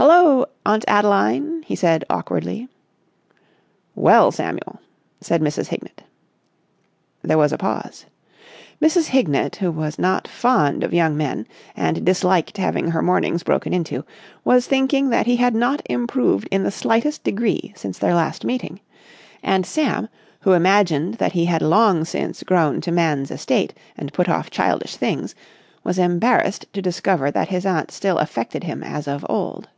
"Hullo, Aunt Adeline!" he said awkwardly. "Well, Samuel!" said Mrs. Hignett. There was a pause. Mrs. Hignett, who was not fond of young men and disliked having her mornings broken into, was thinking that he had not improved in the slightest degree since their last meeting; and Sam, who imagined that he had long since grown to man's estate and put off childish things, was embarrassed to discover that his aunt still affected him as of old.